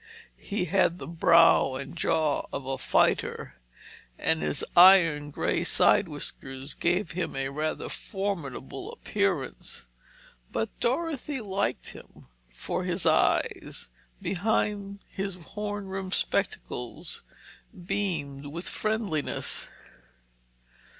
He had the brow and jaw of a fighter, and his iron grey side whiskers gave him a rather formidable appearance. But Dorothy liked him, for his eyes, behind his horn rimmed spectacles, beamed with friendliness.